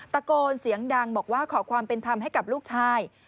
ตะโกนเสียงดังบอกว่าขอความเป็นธรรมให้กับลูกชาย